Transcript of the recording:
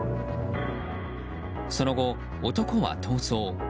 その後、男は逃走。